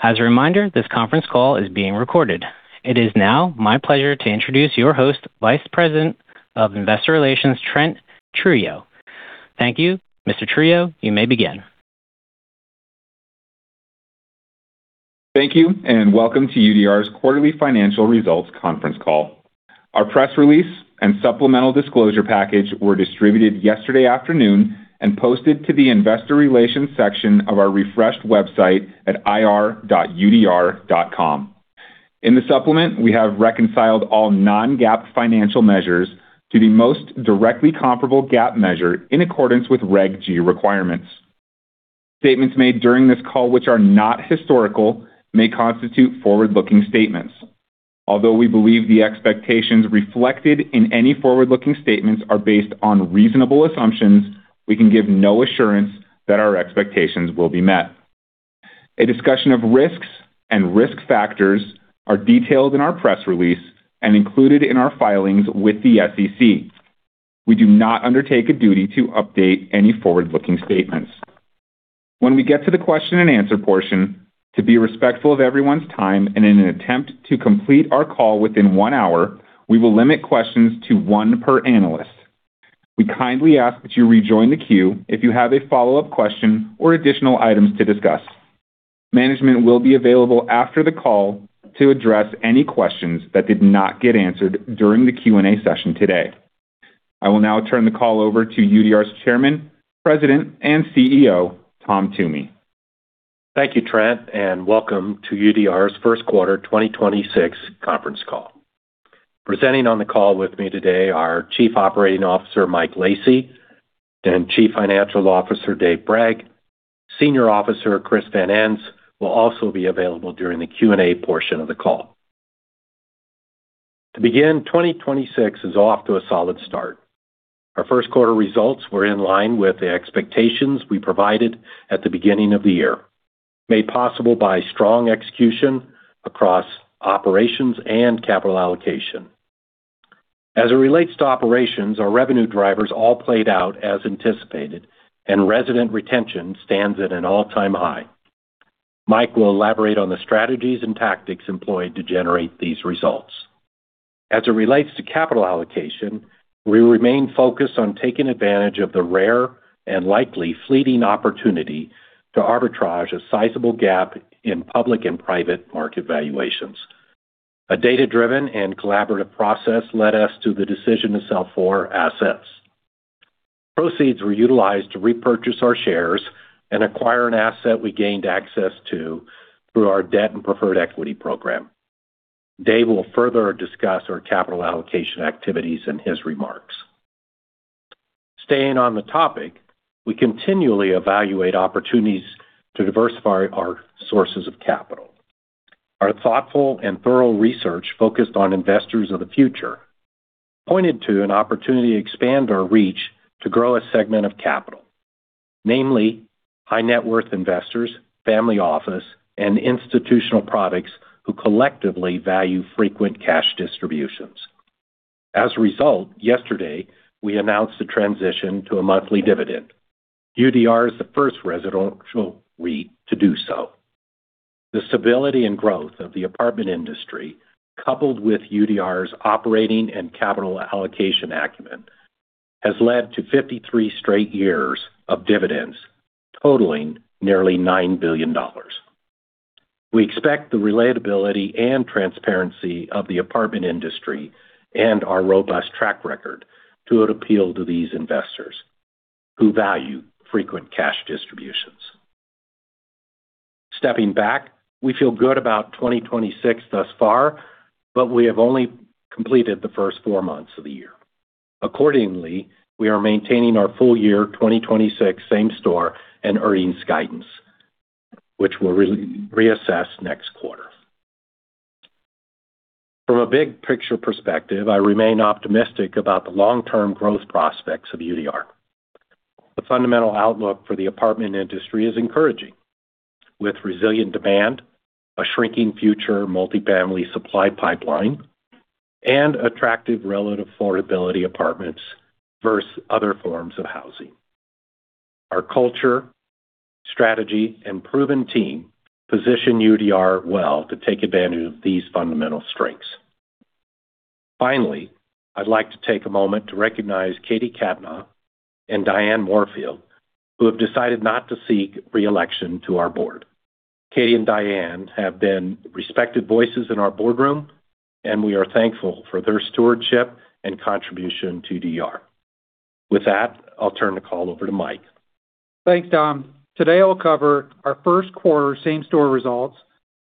As a reminder, this conference call is being recorded. It is now my pleasure to introduce your host, Vice President of Investor Relations, Trent Trujillo. Thank you. Mr. Trujillo, you may begin. Thank you, and welcome to UDR's quarterly financial results conference call. Our press release and supplemental disclosure package were distributed yesterday afternoon and posted to the investor relations section of our refreshed website at ir.udr.com. In the supplement, we have reconciled all non-GAAP financial measures to the most directly comparable GAAP measure in accordance with Reg G requirements. Statements made during this call which are not historical may constitute forward-looking statements. Although we believe the expectations reflected in any forward-looking statements are based on reasonable assumptions, we can give no assurance that our expectations will be met. A discussion of risks and risk factors are detailed in our press release and included in our filings with the SEC. We do not undertake a duty to update any forward-looking statements. When we get to the question and answer portion, to be respectful of everyone's time and in an attempt to complete our call within 1 hour, we will limit questions to 1 per analyst. We kindly ask that you rejoin the queue if you have a follow-up question or additional items to discuss. Management will be available after the call to address any questions that did not get answered during the Q&A session today. I will now turn the call over to UDR's Chairman, President, and CEO, Thomas Toomey. Thank you, Trent, and welcome to UDR's Q1 2026 conference call. Presenting on the call with me today are Chief Operating Officer Mike Lacy and Chief Financial Officer Dave Bragg. Senior Officer Christopher Van Ens will also be available during the Q&A portion of the call. To begin, 2026 is off to a solid start. Our Q1 results were in line with the expectations we provided at the beginning of the year, made possible by strong execution across operations and capital allocation. As it relates to operations, our revenue drivers all played out as anticipated, and resident retention stands at an all-time high. Mike will elaborate on the strategies and tactics employed to generate these results. As it relates to capital allocation, we remain focused on taking advantage of the rare and likely fleeting opportunity to arbitrage a sizable gap in public and private market valuations. A data-driven and collaborative process led us to the decision to sell four assets. Proceeds were utilized to repurchase our shares and acquire one asset we gained access to through our debt and preferred equity program. Dave will further discuss our capital allocation activities in his remarks. Staying on the topic, we continually evaluate opportunities to diversify our sources of capital. Our thoughtful and thorough research focused on investors of the future pointed to an opportunity to expand our reach to grow a segment of capital. Namely, high-net worth investors, family office, and institutional products who collectively value frequent cash distributions. As a result, yesterday, we announced the transition to a monthly dividend. UDR is the first residential REIT to do so. The stability and growth of the apartment industry, coupled with UDR's operating and capital allocation acumen, has led to 53 straight years of dividends totaling nearly $9 billion. We expect the relatability and transparency of the apartment industry and our robust track record to appeal to these investors who value frequent cash distributions. Stepping back, we feel good about 2026 thus far, but we have only completed the first 4 months of the year. Accordingly, we are maintaining our full year 2026 same store and earnings guidance, which we'll reassess next quarter. From a big picture perspective, I remain optimistic about the long-term growth prospects of UDR. The fundamental outlook for the apartment industry is encouraging, with resilient demand, a shrinking future multifamily supply pipeline, and attractive relative affordability apartments versus other forms of housing. Our culture, strategy, and proven team position UDR well to take advantage of these fundamental strengths. Finally, I'd like to take a moment to recognize Katherine Cattanach and Diane Morefield, who have decided not to seek re-election to our board. Katie and Diane have been respected voices in our boardroom, and we are thankful for their stewardship and contribution to UDR. With that, I'll turn the call over to Mike. Thanks, Thomas. Today, I'll cover our Q1 same-store results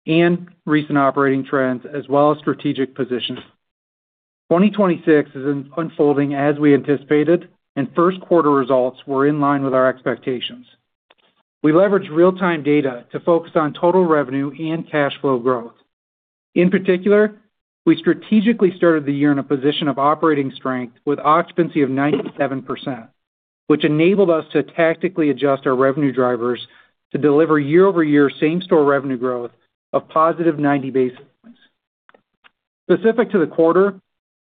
and recent operating trends as well as strategic positions. 2026 is unfolding as we anticipated. Q1 results were in line with our expectations. We leveraged real-time data to focus on total revenue and cash flow growth. In particular, we strategically started the year in a position of operating strength with occupancy of 97%, which enabled us to tactically adjust our revenue drivers to deliver year-over-year same-store revenue growth of positive 90 basis. Specific to the quarter,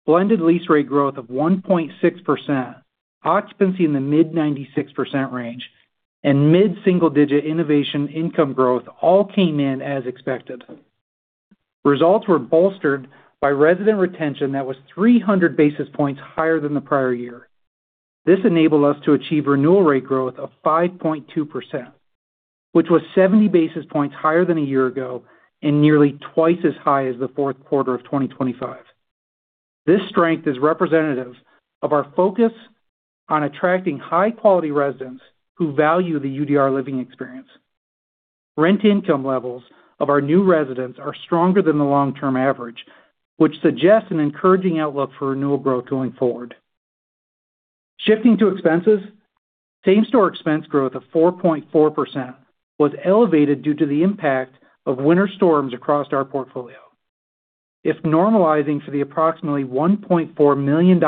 blended lease rate growth of 1.6%, occupancy in the mid-96% range, and mid-single-digit innovation income growth all came in as expected. Results were bolstered by resident retention that was 300 basis points higher than the prior year. This enabled us to achieve renewal rate growth of 5.2%, which was 70 basis points higher than a year ago and nearly twice as high as the Q4 of 2025. This strength is representative of our focus on attracting high-quality residents who value the UDR living experience. Rent income levels of our new residents are stronger than the long-term average, which suggests an encouraging outlook for renewal growth going forward. Shifting to expenses, same-store expense growth of 4.4% was elevated due to the impact of winter storms across our portfolio. If normalizing for the approximately $1.4 million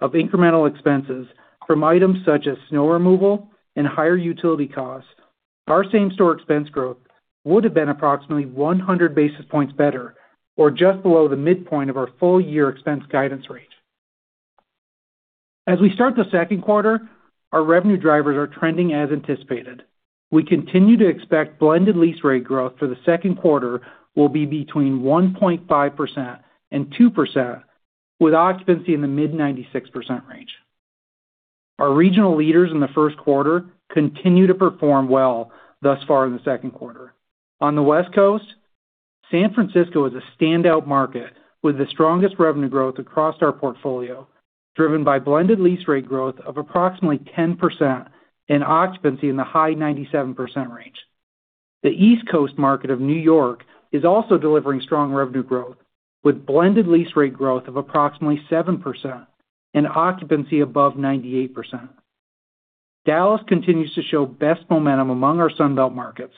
of incremental expenses from items such as snow removal and higher utility costs, our same-store expense growth would have been approximately 100 basis points better or just below the midpoint of our full year expense guidance range. As we start the Q2, our revenue drivers are trending as anticipated. We continue to expect blended lease rate growth for the Q2 will be between 1.5% and 2% with occupancy in the mid-96% range. Our regional leaders in the Q1 continue to perform well thus far in the Q2. On the West Coast, San Francisco is a standout market with the strongest revenue growth across our portfolio, driven by blended lease rate growth of approximately 10% and occupancy in the high 97% range. The East Coast market of New York is also delivering strong revenue growth, with blended lease rate growth of approximately 7% and occupancy above 98%. Dallas continues to show best momentum among our Sun Belt markets.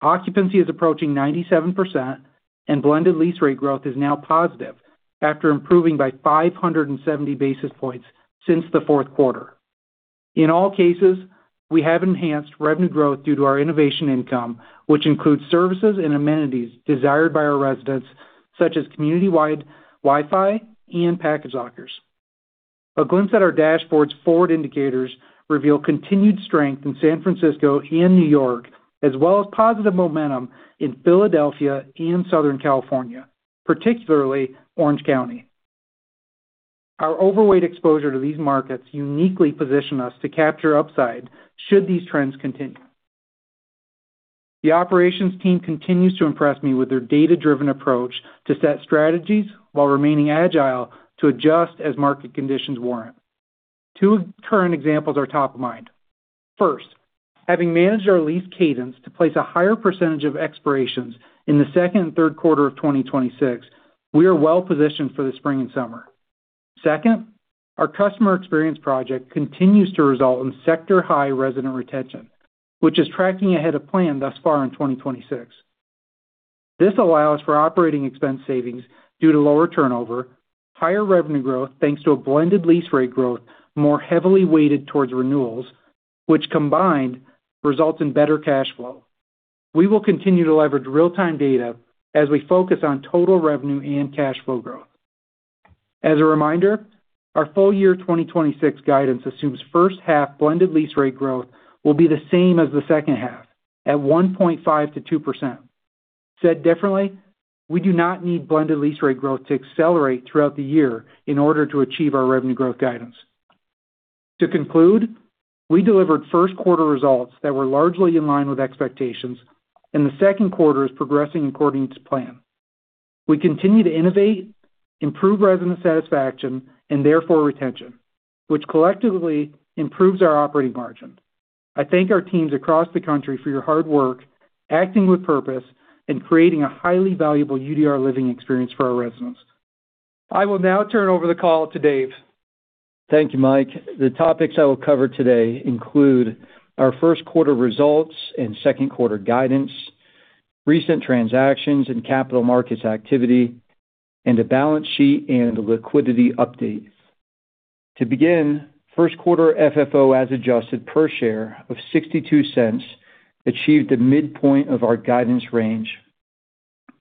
Occupancy is approaching 97%, and blended lease rate growth is now positive after improving by 570 basis points since the Q4. In all cases, we have enhanced revenue growth due to our innovation income, which includes services and amenities desired by our residents, such as community-wide Wi-Fi and package lockers. A glimpse at our dashboard's forward indicators reveal continued strength in San Francisco and New York, as well as positive momentum in Philadelphia and Southern California, particularly Orange County. Our overweight exposure to these markets uniquely position us to capture upside should these trends continue. The operations team continues to impress me with their data-driven approach to set strategies while remaining agile to adjust as market conditions warrant. Two current examples are top of mind. First, having managed our lease cadence to place a higher percentage of expirations in the second and Q3 of 2026, we are well positioned for the spring and summer. Second, our customer experience project continues to result in sector-high resident retention, which is tracking ahead of plan thus far in 2026. This allows for operating expense savings due to lower turnover, higher revenue growth, thanks to a blended lease rate growth more heavily weighted towards renewals, which combined results in better cash flow. We will continue to leverage real-time data as we focus on total revenue and cash flow growth. As a reminder, our full year 2026 guidance assumes first half blended lease rate growth will be the same as the second half at 1.5%-2%. Said differently, we do not need blended lease rate growth to accelerate throughout the year in order to achieve our revenue growth guidance. To conclude, we delivered Q1 results that were largely in line with expectations, the Q2 is progressing according to plan. We continue to innovate, improve resident satisfaction, and therefore retention, which collectively improves our operating margin. I thank our teams across the country for your hard work, acting with purpose, and creating a highly valuable UDR living experience for our residents. I will now turn over the call to Dave. Thank you, Mike. The topics I will cover today include our Q1 results and Q2 guidance, recent transactions and capital markets activity, and a balance sheet and liquidity update. To begin, Q1 FFO, as adjusted per share of $0.62, achieved the midpoint of our guidance range.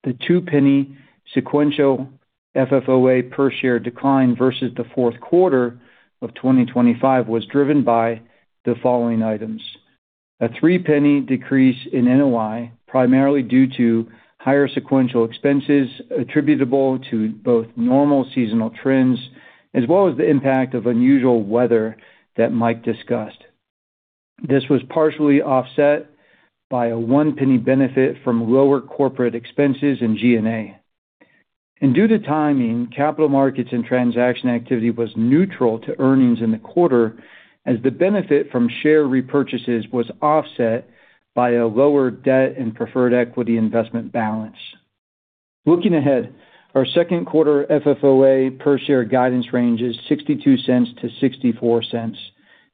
The $0.02 sequential FFOA per share decline versus the Q4 of 2025 was driven by the following items. A $0.03 decrease in NOI, primarily due to higher sequential expenses attributable to both normal seasonal trends as well as the impact of unusual weather that Mike discussed. This was partially offset by a $0.01 benefit from lower corporate expenses in G&A. Due to timing, capital markets and transaction activity was neutral to earnings in the quarter as the benefit from share repurchases was offset by a lower debt and preferred equity investment balance. Looking ahead, our Q2 FFOA per share guidance range is $0.62-$0.64.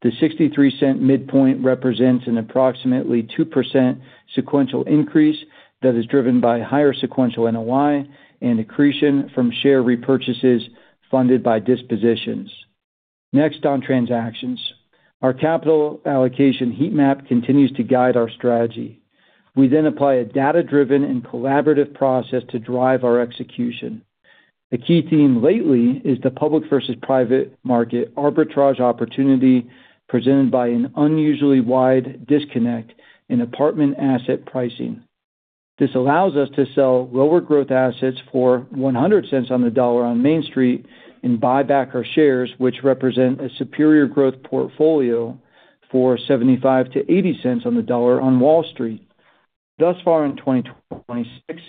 The $0.63 midpoint represents an approximately 2% sequential increase that is driven by higher sequential NOI and accretion from share repurchases funded by dispositions. Next on transactions. Our capital allocation heat map continues to guide our strategy. We apply a data-driven and collaborative process to drive our execution. The key theme lately is the public versus private market arbitrage opportunity presented by an unusually wide disconnect in apartment asset pricing. This allows us to sell lower growth assets for $1.00 on the dollar on Main Street and buy back our shares, which represent a superior growth portfolio for $0.75-$0.80 on the dollar on Wall Street. Thus far in 2026,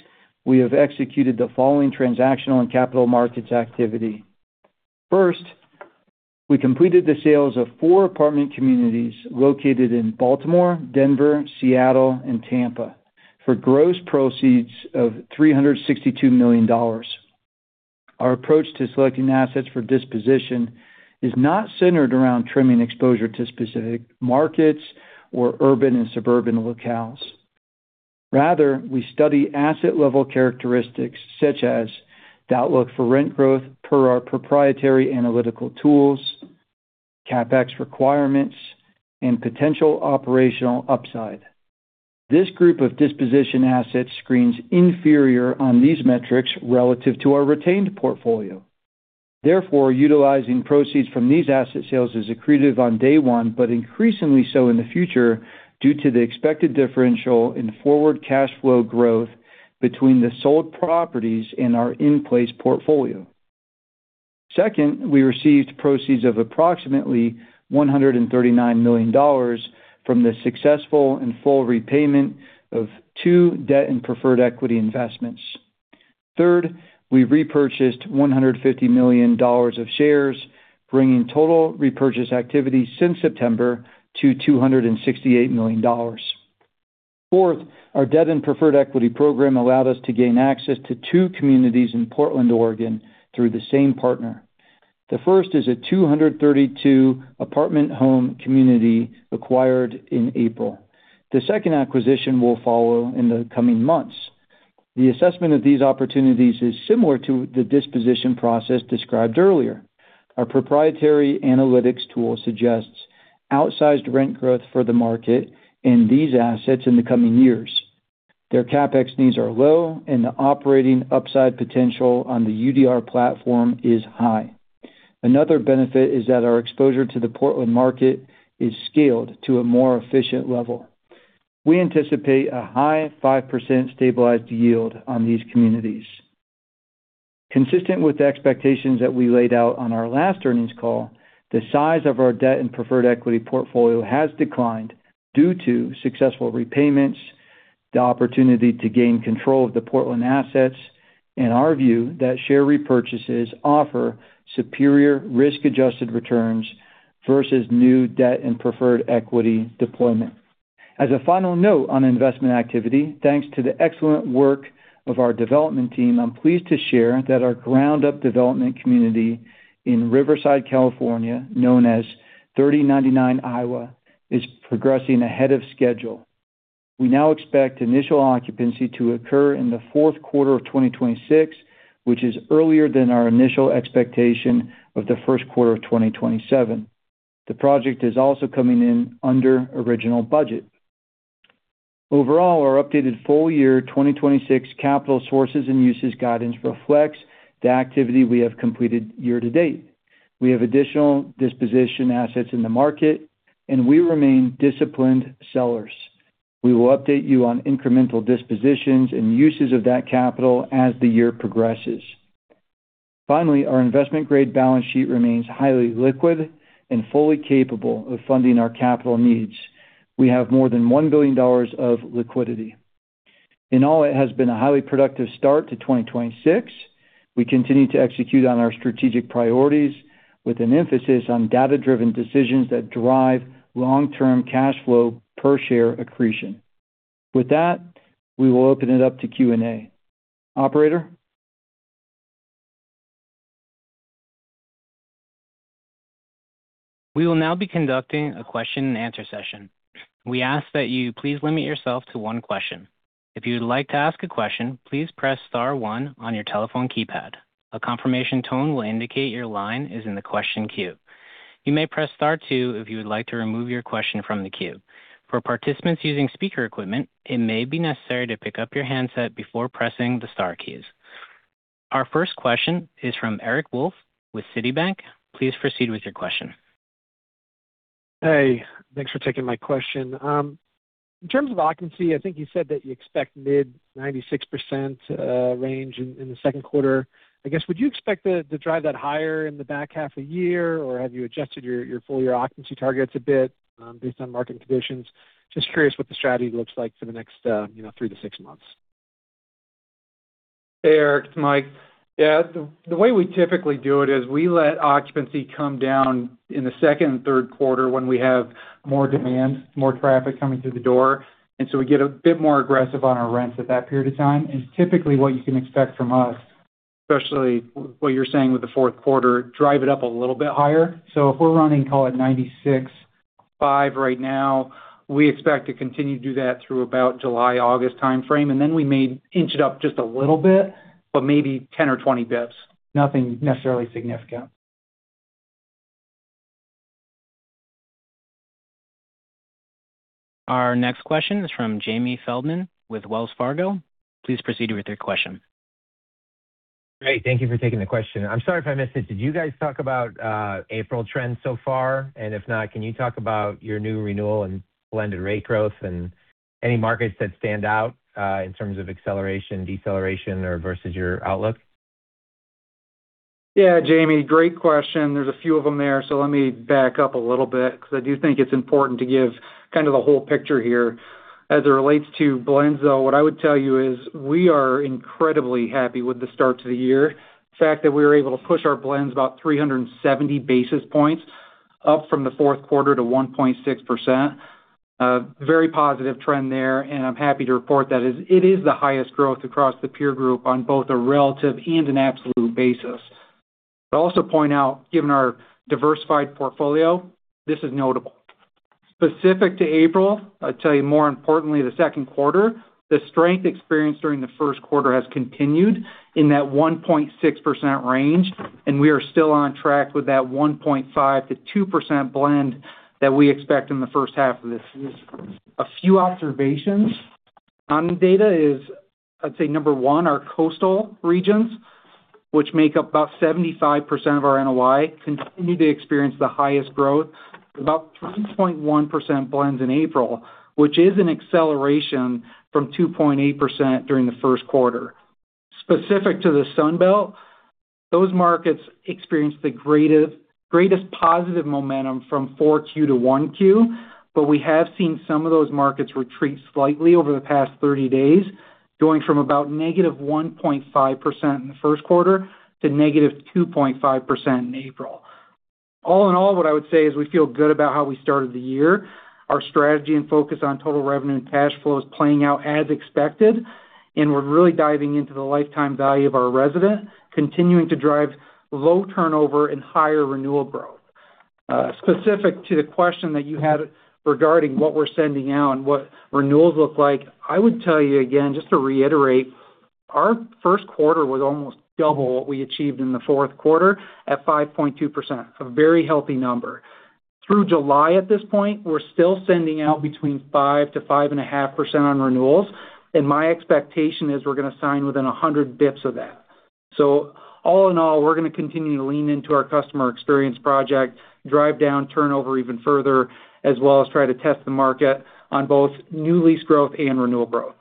we have executed the following transactional and capital markets activity. First, we completed the sales of 4 apartment communities located in Baltimore, Denver, Seattle, and Tampa for gross proceeds of $362 million. Our approach to selecting assets for disposition is not centered around trimming exposure to specific markets or urban and suburban locales. Rather, we study asset-level characteristics such as the outlook for rent growth per our proprietary analytical tools, CapEx requirements, and potential operational upside. This group of disposition assets screens inferior on these metrics relative to our retained portfolio. Therefore, utilizing proceeds from these asset sales is accretive on day one, but increasingly so in the future due to the expected differential in forward cash flow growth between the sold properties and our in-place portfolio. Second, we received proceeds of approximately $139 million from the successful and full repayment of 2 debt and preferred equity investments. Third, we repurchased $150 million of shares, bringing total repurchase activity since September to $268 million. Fourth, our debt and preferred equity program allowed us to gain access to two communities in Portland, Oregon, through the same partner. The first is a 232 apartment home community acquired in April. The second acquisition will follow in the coming months. The assessment of these opportunities is similar to the disposition process described earlier. Our proprietary analytics tool suggests outsized rent growth for the market and these assets in the coming years. Their CapEx needs are low, and the operating upside potential on the UDR platform is high. Another benefit is that our exposure to the Portland market is scaled to a more efficient level. We anticipate a high 5% stabilized yield on these communities. Consistent with the expectations that we laid out on our last earnings call, the size of our debt and preferred equity portfolio has declined due to successful repayments, the opportunity to gain control of the Portland assets, and our view that share repurchases offer superior risk-adjusted returns versus new debt and preferred equity deployment. As a final note on investment activity, thanks to the excellent work of our development team, I'm pleased to share that our ground-up development community in Riverside, California, known as 3099 Iowa, is progressing ahead of schedule. We now expect initial occupancy to occur in the Q4 of 2026, which is earlier than our initial expectation of the Q1 of 2027. The project is also coming in under original budget. Overall, our updated full year 2026 capital sources and uses guidance reflects the activity we have completed year to date. We have additional disposition assets in the market, and we remain disciplined sellers. We will update you on incremental dispositions and uses of that capital as the year progresses. Our investment grade balance sheet remains highly liquid and fully capable of funding our capital needs. We have more than $1 billion of liquidity. In all, it has been a highly productive start to 2026. We continue to execute on our strategic priorities with an emphasis on data-driven decisions that drive long-term cash flow per share accretion. With that, we will open it up to Q&A. Operator? We will now be conducting a question and answer session. We ask that you please limit yourself to 1 question. If you would like to ask a question, please press star 1 on your telephone keypad. A confirmation tone will indicate your line is in the question queue. You may press star 2 if you would like to remove your question from the queue. For participants using speaker equipment, it may be necessary to pick up your handset before pressing the star keys. Our first question is from Eric Wolfe with Citi. Please proceed with your question. Hey, thanks for taking my question. In terms of occupancy, I think you said that you expect mid 96% range in the Q2. I guess, would you expect to drive that higher in the back half of the year, or have you adjusted your full year occupancy targets a bit based on market conditions? Just curious what the strategy looks like for the next, you know, 3 to 6 months. Hey, Eric, it's Mike. Yeah, the way we typically do it is we let occupancy come down in the second and Q3 when we have more demand, more traffic coming through the door, we get a bit more aggressive on our rents at that period of time. Typically, what you can expect from us, especially what you're saying with the Q4, drive it up a little bit higher. If we're running, call it, 96 5 right now. We expect to continue to do that through about July, August timeframe, and then we may inch it up just a little bit, but maybe 10 or 20 basis points. Nothing necessarily significant. Our next question is from Jamie Feldman with Wells Fargo. Please proceed with your question. Great. Thank you for taking the question. I'm sorry if I missed it. Did you guys talk about April trends so far? If not, can you talk about your new renewal and blended rate growth and any markets that stand out in terms of acceleration, deceleration or versus your outlook? Yeah, Jamie, great question. There's a few of them there. Let me back up a little bit because I do think it's important to give kind of the whole picture here. As it relates to blends, though, what I would tell you is we are incredibly happy with the start to the year. The fact that we were able to push our blends about 370 basis points up from the Q4 to 1.6%, very positive trend there, and I'm happy to report that it is the highest growth across the peer group on both a relative and an absolute basis. I'd also point out, given our diversified portfolio, this is notable. Specific to April, I'll tell you more importantly, the Q2, the strength experienced during the Q1 has continued in that 1.6% range, and we are still on track with that 1.5%-2% blend that we expect in the first half of this year. A few observations on the data is, I'd say number one, our coastal regions, which make up about 75% of our NOI, continue to experience the highest growth, about 2.1% blends in April, which is an acceleration from 2.8% during the Q1. Specific to the Sun Belt, those markets experienced the greatest positive momentum from 4Q to 1Q, but we have seen some of those markets retreat slightly over the past 30 days, going from about negative 1.5% in the Q1 to negative 2.5% in April. All in all, what I would say is we feel good about how we started the year. Our strategy and focus on total revenue and cash flow is playing out as expected, and we're really diving into the lifetime value of our resident, continuing to drive low turnover and higher renewal growth. Specific to the question that you had regarding what we're sending out and what renewals look like, I would tell you again, just to reiterate, our Q1 was almost double what we achieved in the Q4 at 5.2%. A very healthy number. Through July at this point, we're still sending out between 5% to 5.5% on renewals, and my expectation is we're gonna sign within 100 BPS of that. All in all, we're gonna continue to lean into our customer experience project, drive down turnover even further, as well as try to test the market on both new lease growth and renewal growth.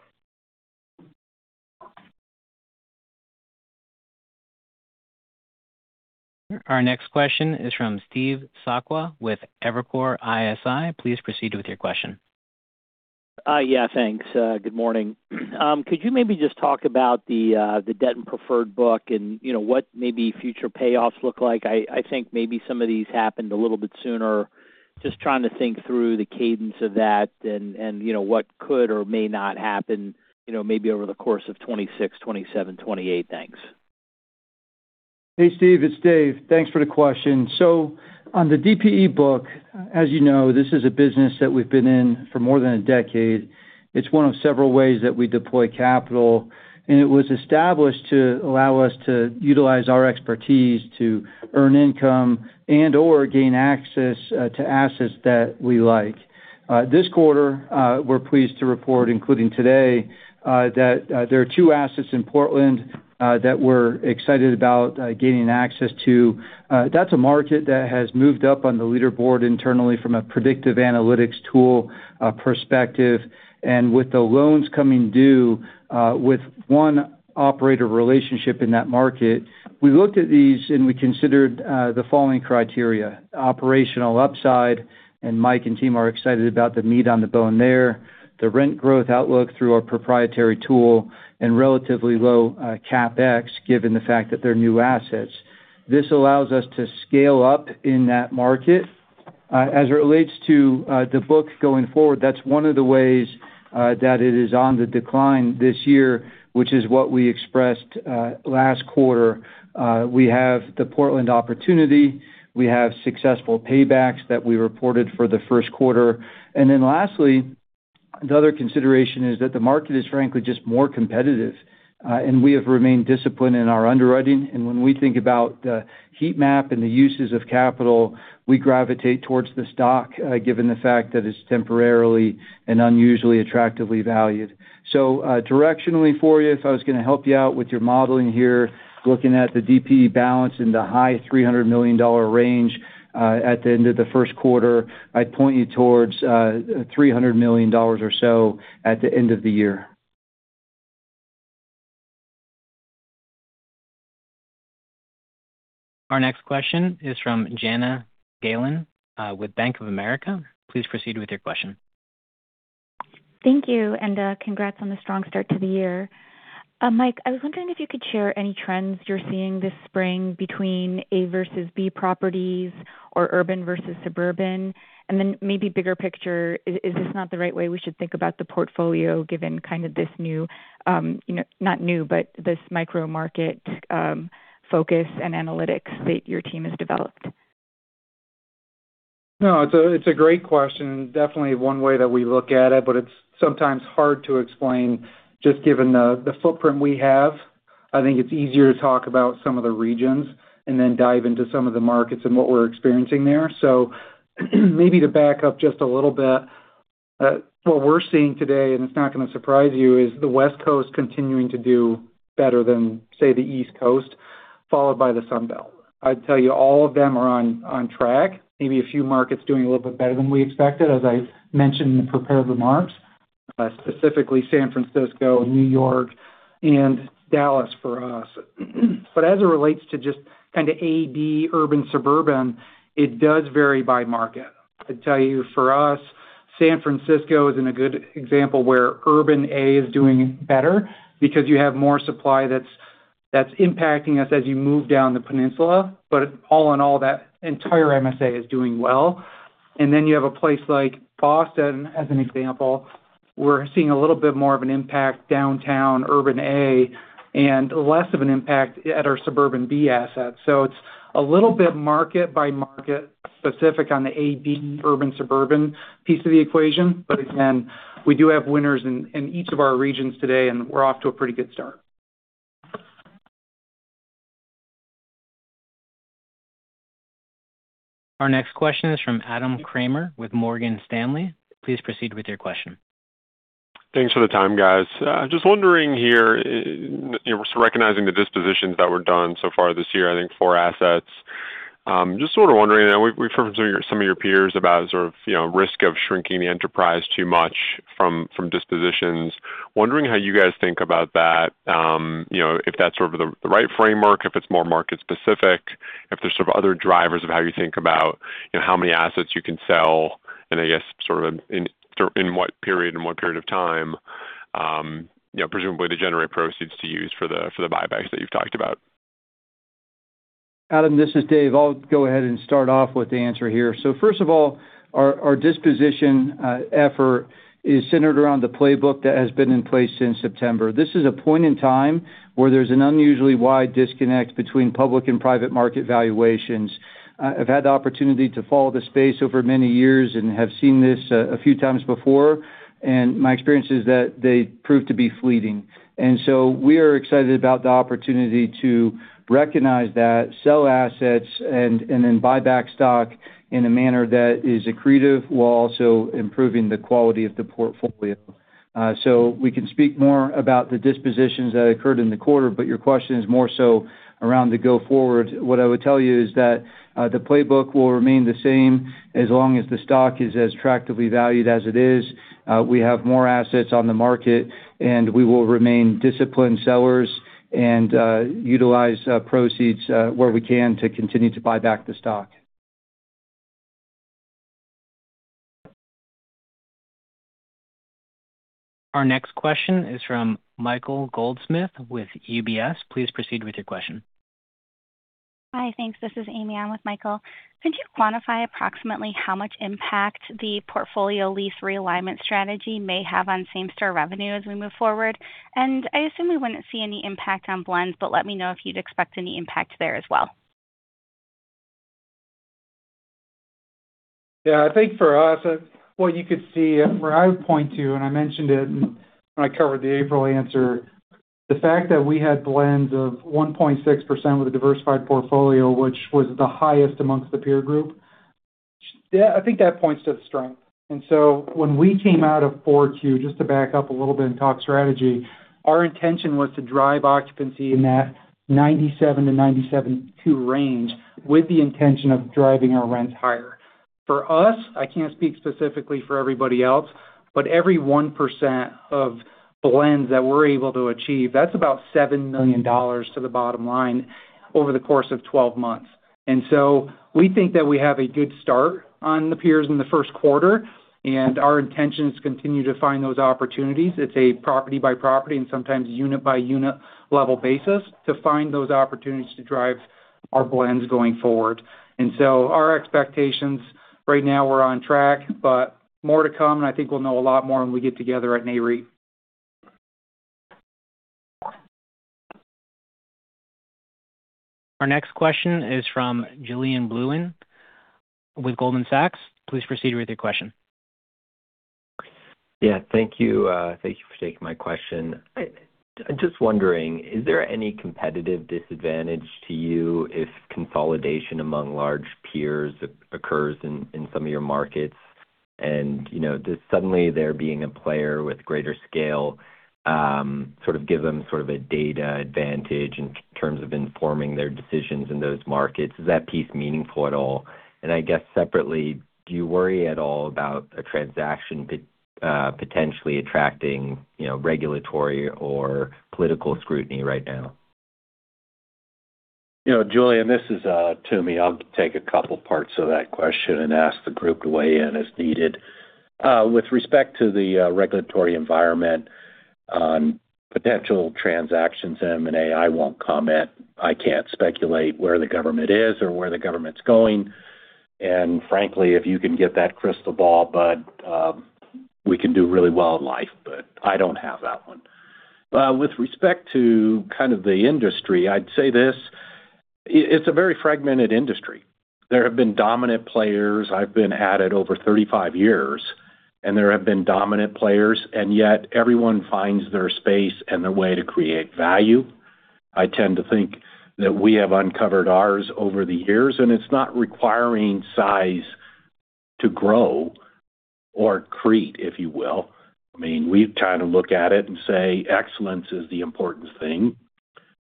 Our next question is from Steve Sakwa with Evercore ISI. Please proceed with your question. Yeah, thanks. Good morning. Could you maybe just talk about the debt and preferred book and, you know, what maybe future payoffs look like? I think maybe some of these happened a little bit sooner. Just trying to think through the cadence of that and, you know, what could or may not happen, you know, maybe over the course of 2026, 2027, 2028. Thanks. Hey, Steve. It's Dave. Thanks for the question. On the DPE book, as you know, this is a business that we've been in for more than a decade. It's one of several ways that we deploy capital, and it was established to allow us to utilize our expertise to earn income and/or gain access to assets that we like. This quarter, we're pleased to report, including today, that there are 2 assets in Portland that we're excited about gaining access to. That's a market that has moved up on the leaderboard internally from a predictive analytics tool perspective. With the loans coming due, with one operator relationship in that market, we looked at these and we considered the following criteria: operational upside, and Mike and team are excited about the meat on the bone there, the rent growth outlook through our proprietary tool and relatively low CapEx, given the fact that they're new assets. As it relates to the book going forward, that's one of the ways that it is on the decline this year, which is what we expressed last quarter. We have the Portland opportunity. We have successful paybacks that we reported for the Q1. Lastly, the other consideration is that the market is frankly just more competitive, and we have remained disciplined in our underwriting. When we think about the heat map and the uses of capital, we gravitate towards the stock, given the fact that it's temporarily and unusually attractively valued. Directionally for you, if I was gonna help you out with your modeling here, looking at the DPE balance in the high $300 million range, at the end of the Q1, I'd point you towards $300 million or so at the end of the year. Our next question is from Yana Gallen with Bank of America. Please proceed with your question. Thank you, and congrats on the strong start to the year. Mike, I was wondering if you could share any trends you're seeing this spring between A versus B properties or urban versus suburban? Then maybe bigger picture, is this not the right way we should think about the portfolio given kind of this new, you know, not new, but this micro-market focus and analytics that your team has developed? No, it's a great question. Definitely one way that we look at it, but it's sometimes hard to explain just given the footprint we have. I think it's easier to talk about some of the regions and then dive into some of the markets and what we're experiencing there. Maybe to back up just a little bit, what we're seeing today, and it's not gonna surprise you, is the West Coast continuing to do better than, say, the East Coast, followed by the Sun Belt. I'd tell you all of them are on track. Maybe a few markets doing a little bit better than we expected, as I mentioned in the prepared remarks, specifically San Francisco, New York, and Dallas for us. As it relates to just kind of A-B urban-suburban, it does vary by market. I'd tell you, for us, San Francisco is in a good example where urban A is doing better because you have more supply that's impacting us as you move down the peninsula. All in all, that entire MSA is doing well. You have a place like Boston, as an example, we're seeing a little bit more of an impact downtown urban A and less of an impact at our suburban B assets. It's a little bit market by market specific on the A-B urban-suburban piece of the equation. Again, we do have winners in each of our regions today, and we're off to a pretty good start. Our next question is from Adam Kramer with Morgan Stanley. Please proceed with your question. Thanks for the time, guys. just wondering here, you know, sort of recognizing the dispositions that were done so far this year, I think 4 assets. just sort of wondering, you know, we've heard from some of your peers about sort of, you know, risk of shrinking the enterprise too much from dispositions. Wondering how you guys think about that, you know, if that's sort of the right framework, if it's more market specific, if there's sort of other drivers of how you think about, you know, how many assets you can sell, and I guess sort of in what period, in what period of time, you know, presumably to generate proceeds to use for the buybacks that you've talked about. Adam, this is Dave. I'll go ahead and start off with the answer here. First of all, our disposition effort is centered around the playbook that has been in place since September. This is a point in time where there's an unusually wide disconnect between public and private market valuations. I've had the opportunity to follow the space over many years and have seen this a few times before, and my experience is that they prove to be fleeting. We are excited about the opportunity to recognize that, sell assets, and then buy back stock in a manner that is accretive while also improving the quality of the portfolio. We can speak more about the dispositions that occurred in the quarter, but your question is more so around the go forward. What I would tell you is that the playbook will remain the same as long as the stock is as attractively valued as it is. We have more assets on the market, and we will remain disciplined sellers and utilize proceeds where we can to continue to buy back the stock. Our next question is from Michael Goldsmith with UBS. Please proceed with your question. Hi, thanks. This is Amy. I'm with Michael. Could you quantify approximately how much impact the portfolio lease realignment strategy may have on same-store revenue as we move forward? I assume we wouldn't see any impact on blends, but let me know if you'd expect any impact there as well. Yeah. I think for us, what you could see, where I would point to, and I mentioned it when I covered the April answer, the fact that we had blends of 1.6% with a diversified portfolio, which was the highest amongst the peer group. Yeah, I think that points to the strength. When we came out of 4Q, just to back up a little bit and talk strategy, our intention was to drive occupancy in that 97%-97.2% range with the intention of driving our rents higher. For us, I can't speak specifically for everybody else, but every 1% of blends that we're able to achieve, that's about $7 million to the bottom line over the course of 12 months. We think that we have a good start on the peers in the Q1, and our intention is to continue to find those opportunities. It's a property-by-property and sometimes unit-by-unit level basis to find those opportunities to drive our blends going forward. Our expectations right now we're on track, but more to come, and I think we'll know a lot more when we get together at Nareit. Our next question is from Julien Blouin with Goldman Sachs. Please proceed with your question. Yeah. Thank you. Thank you for taking my question. I'm just wondering, is there any competitive disadvantage to you if consolidation among large peers occurs in some of your markets and, you know, does suddenly there being a player with greater scale give them sort of a data advantage in terms of informing their decisions in those markets? Is that piece meaningful at all? I guess separately, do you worry at all about a transaction potentially attracting, you know, regulatory or political scrutiny right now? You know, Julien, this is Thomas. I'll take 2 parts of that question and ask the group to weigh in as needed. With respect to the regulatory environment on potential transactions, M&A, I won't comment. I can't speculate where the government is or where the government's going. Frankly, if you can get that crystal ball, Bud, we can do really well in life. I don't have that one. With respect to kind of the industry, I'd say this. It's a very fragmented industry. There have been dominant players. I've been at it over 35 years. There have been dominant players, yet everyone finds their space and their way to create value. I tend to think that we have uncovered ours over the years. It's not requiring size to grow or create, if you will. I mean, we kind of look at it and say excellence is the important thing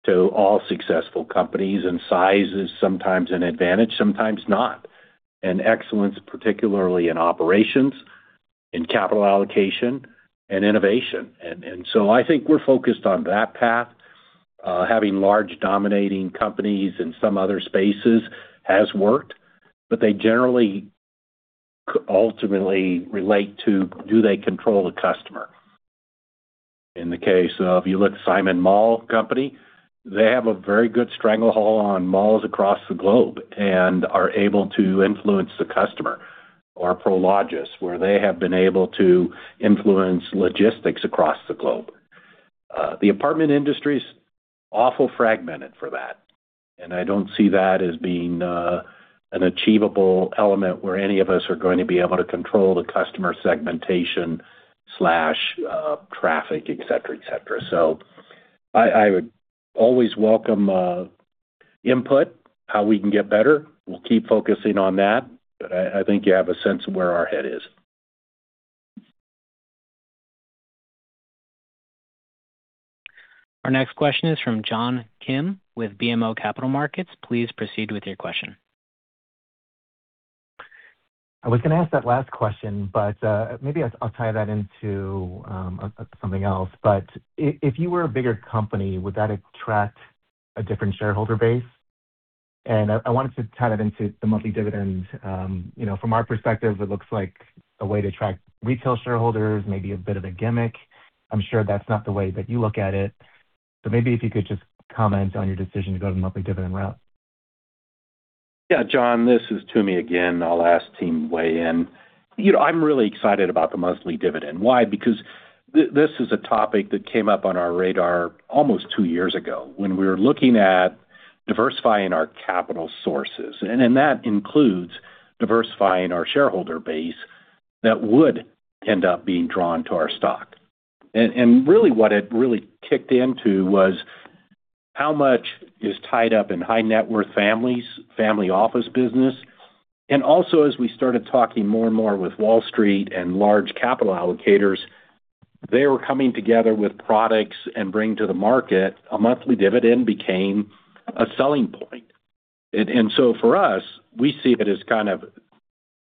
to all successful companies, and size is sometimes an advantage, sometimes not. Excellence, particularly in operations, in capital allocation, and innovation. So I think we're focused on that path. Having large dominating companies in some other spaces has worked, but they generally ultimately relate to do they control the customer? In the case of you look at Simon Mall company, they have a very good stranglehold on malls across the globe and are able to influence the customer. Prologis, where they have been able to influence logistics across the globe. The apartment industry is awful fragmented for that, and I don't see that as being an achievable element where any of us are going to be able to control the customer segmentation/traffic, et cetera, et cetera. I would always welcome input, how we can get better. We'll keep focusing on that, I think you have a sense of where our head is. Our next question is from John Kim with BMO Capital Markets. Please proceed with your question. I was gonna ask that last question, but maybe I'll tie that into something else. If you were a bigger company, would that attract a different shareholder base? I wanted to tie that into the monthly dividend. You know, from our perspective, it looks like a way to attract retail shareholders, maybe a bit of a gimmick. I'm sure that's not the way that you look at it. Maybe if you could just comment on your decision to go the monthly dividend route. Yeah, John, this is Thomas again. I'll ask team to weigh in. You know, I'm really excited about the monthly dividend. Why? Because this is a topic that came up on our radar almost two years ago when we were looking at diversifying our capital sources, and then that includes diversifying our shareholder base that would end up being drawn to our stock. Really what it really kicked into was how much is tied up in high net worth families, family office business. Also, as we started talking more and more with Wall Street and large capital allocators, they were coming together with products and bringing to the market, a monthly dividend became a selling point. For us, we see it as kind of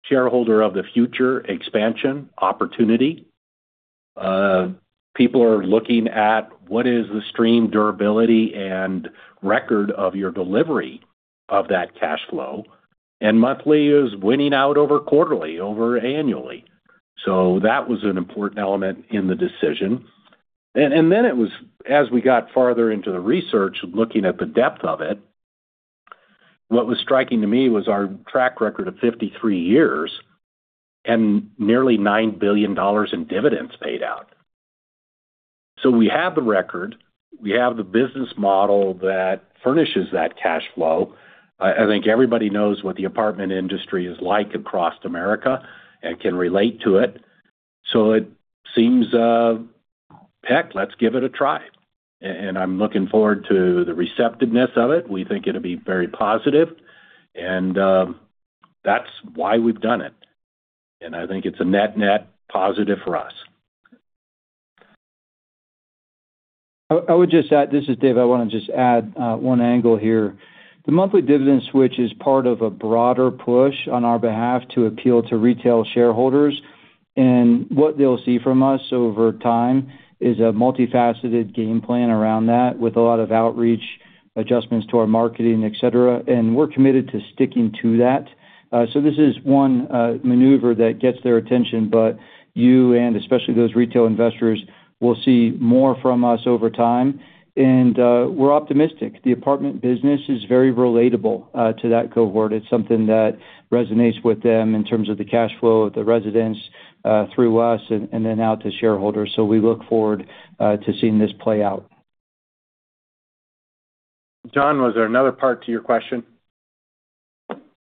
shareholder of the future expansion opportunity. People are looking at what is the stream durability and record of your delivery of that cash flow, monthly is winning out over quarterly, over annually. That was an important element in the decision. Then it was as we got farther into the research, looking at the depth of it, what was striking to me was our track record of 53 years and nearly $9 billion in dividends paid out. We have the record. We have the business model that furnishes that cash flow. I think everybody knows what the apartment industry is like across America and can relate to it. It seems, heck, let's give it a try. I'm looking forward to the receptiveness of it. We think it'll be very positive. That's why we've done it. I think it's a net-net positive for us. I would just add. This is Dave Bragg. I want to just add one angle here. The monthly dividend switch is part of a broader push on our behalf to appeal to retail shareholders. What they will see from us over time is a multifaceted game plan around that with a lot of outreach, adjustments to our marketing, et cetera. We are committed to sticking to that. This is one maneuver that gets their attention. You, and especially those retail investors, will see more from us over time. We are optimistic. The apartment business is very relatable to that cohort. It is something that resonates with them in terms of the cash flow of the residents through us and then out to shareholders. We look forward to seeing this play out. John, was there another part to your question?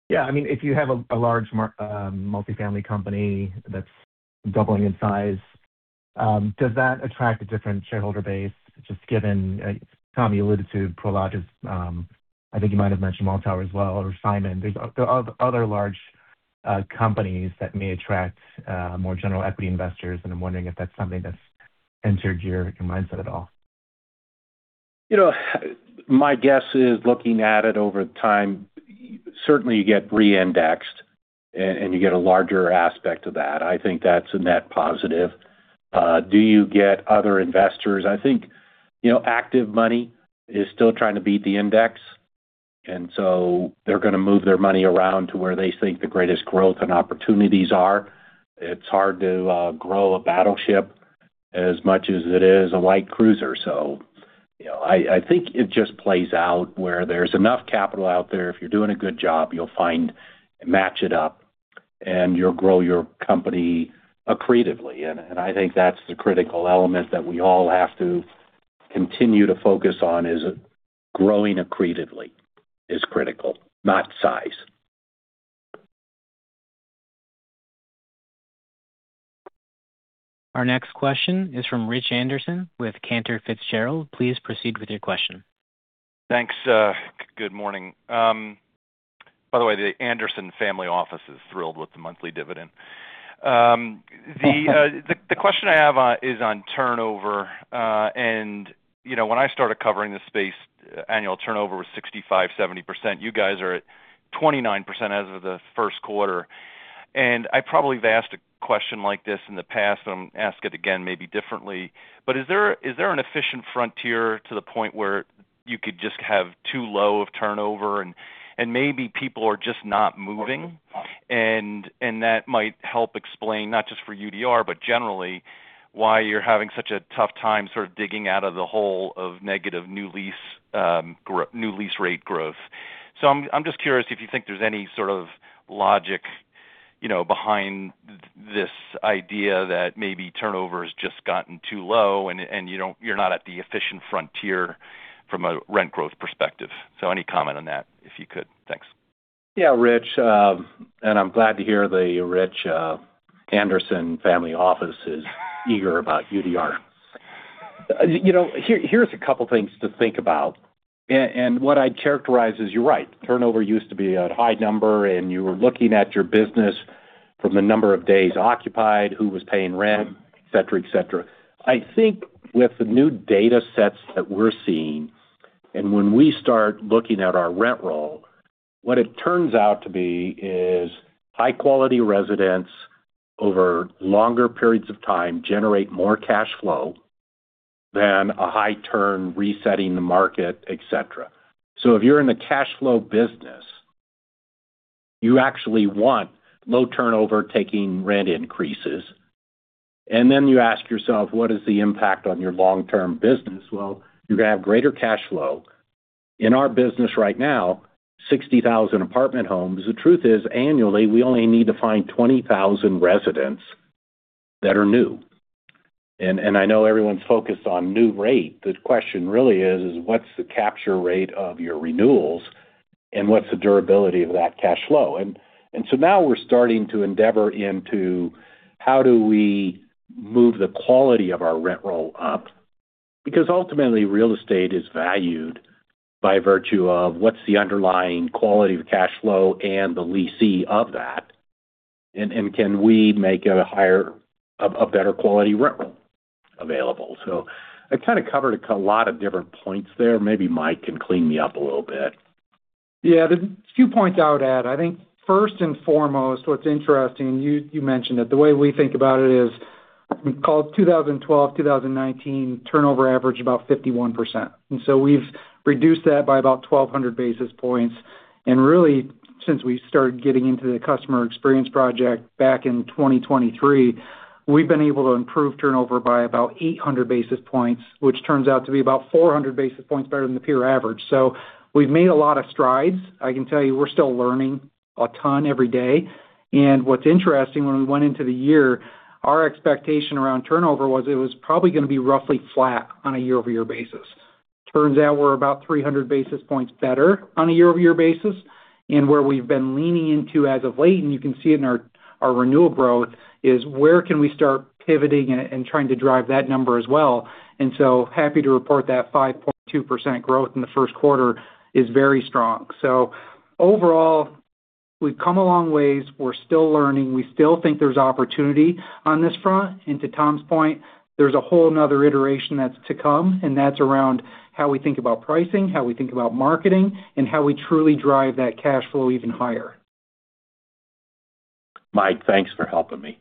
Yeah. I mean, if you have a large multifamily company that's doubling in size, does that attract a different shareholder base, just given, Thomas alluded to Prologis, I think you might have mentioned Mall Towers as well or Simon. There's other large companies that may attract more general equity investors, and I'm wondering if that's something that's entered your mindset at all. You know, my guess is looking at it over time, certainly you get re-indexed and you get a larger aspect of that. I think that's a net positive. Do you get other investors? I think, you know, active money is still trying to beat the index, they're going to move their money around to where they think the greatest growth and opportunities are. It's hard to grow a battleship as much as it is a light cruiser. You know, I think it just plays out where there's enough capital out there. If you're doing a good job, you'll find and match it up, you'll grow your company accretively. I think that's the critical element that we all have to continue to focus on is growing accretively is critical, not size. Our next question is from Rich Anderson with Cantor Fitzgerald. Please proceed with your question. Thanks, good morning. By the way, the Anderson family office is thrilled with the monthly dividend. The question I have on is on turnover. You know, when I started covering this space, annual turnover was 65%, 70%. You guys are at 29% as of the Q1. I probably have asked a question like this in the past, so I'm gonna ask it again maybe differently. Is there an efficient frontier to the point where you could just have too low of turnover and maybe people are just not moving? And that might help explain, not just for UDR, but generally, why you're having such a tough time sort of digging out of the hole of negative new lease, new lease rate growth. I'm just curious if you think there's any sort of logic, you know, behind this idea that maybe turnover's just gotten too low and you're not at the efficient frontier from a rent growth perspective. Any comment on that, if you could? Thanks. Yeah, Rich. I'm glad to hear the Rich Anderson family office is eager about UDR. You know, here's 2 things to think about. What I'd characterize is you're right. Turnover used to be a high number, and you were looking at your business from the number of days occupied, who was paying rent, et cetera, et cetera. I think with the new data sets that we're seeing, and when we start looking at our rent roll, what it turns out to be is high-quality residents over longer periods of time generate more cash flow than a high turn resetting the market, et cetera. If you're in the cash flow business, you actually want low turnover taking rent increases. You ask yourself, what is the impact on your long-term business? Well, you're gonna have greater cash flow. In our business right now, 60,000 apartment homes, the truth is, annually, we only need to find 20,000 residents that are new. I know everyone's focused on new rate. The question really is what's the capture rate of your renewals, and what's the durability of that cash flow? Now we're starting to endeavor into how do we move the quality of our rent roll up, because ultimately, real estate is valued by virtue of what's the underlying quality of cash flow and the lessee of that, and can we make it a better quality rent roll available. I kind of covered a lot of different points there. Maybe Mike can clean me up a little bit. Yeah. Few points I would add. I think first and foremost, what's interesting, you mentioned it, the way we think about it is we called 2012, 2019 turnover average about 51%. We've reduced that by about 1,200 basis points. Since we started getting into the customer experience project back in 2023, we've been able to improve turnover by about 800 basis points, which turns out to be about 400 basis points better than the peer average. We've made a lot of strides. I can tell you we're still learning a ton every day. What's interesting, when we went into the year, our expectation around turnover was it was probably gonna be roughly flat on a year-over-year basis. Turns out we're about 300 basis points better on a year-over-year basis. Where we've been leaning into as of late, and you can see it in our renewal growth, is where can we start pivoting and trying to drive that number as well. Happy to report that 5.2% growth in the Q1 is very strong. Overall, we've come a long ways. We're still learning. We still think there's opportunity on this front. To Thomas's point, there's a whole another iteration that's to come, and that's around how we think about pricing, how we think about marketing, and how we truly drive that cash flow even higher. Mike, thanks for helping me.